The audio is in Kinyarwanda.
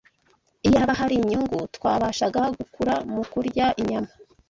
Iyaba hari inyungu twabashaga gukura mu kurya inyama,